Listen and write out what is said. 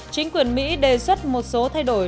chính quyền mỹ đề xuất một số thay đổi